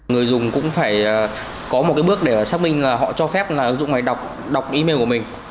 người dùng cũng phải có một cái bước để xác minh họ cho phép ứng dụng này đọc email của mình